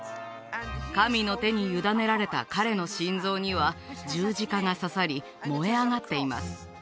神の手に委ねられた彼の心臓には十字架が刺さり燃え上がっています